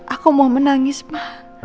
aku mau menangis ma